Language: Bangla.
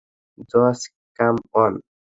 Josh, come on!